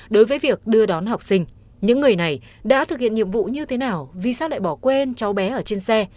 đối với việc đưa đón học sinh những người này đã thực hiện nhiệm vụ như thế nào vì sao lại bỏ quên cháu bé ở trên xe